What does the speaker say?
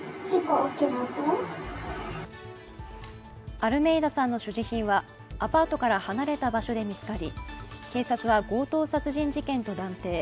アルメイダさんの所持品はアパートから離れた場所で見つかり、警察は強盗殺人事件と断定。